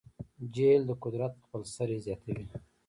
جهل د قدرت خپل سری زیاتوي.